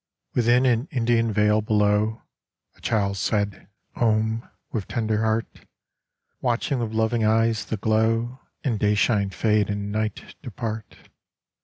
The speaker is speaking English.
Within an Indian vale below A child said * OM ' with tender heart, Watching with loving eyes the glow In dayshine fade and night depart.